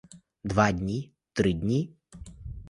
Два дні, три дні?